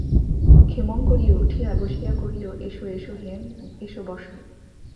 ক্ষেমংকরী উঠিয়া বসিয়া কহিল, এসো এসো, হেম, এসো, বোসো।